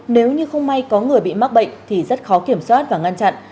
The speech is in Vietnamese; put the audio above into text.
nếu như không may có người bị mắc bệnh thì rất khó kiểm soát và ngăn chặn